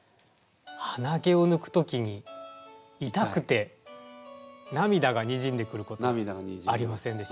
はなげを抜く時にいたくてなみだがにじんでくることありませんでしょうか？